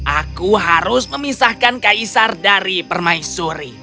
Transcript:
aku harus memisahkan kaisar dari permaisuri